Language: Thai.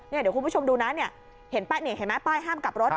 เดี๋ยวคุณผู้ชมดูนะเห็นไม่ป้ายห้ามกับรถ